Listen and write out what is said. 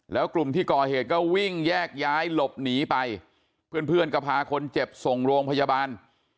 แล้วกลุ่มที่ก่อเหตุก็วิ่งแยกย้ายหลบหนีไปเพื่อนเพื่อนก็พาคนเจ็บส่งโรงพยาบาล